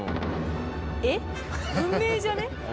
「えっ？運命じゃね？」。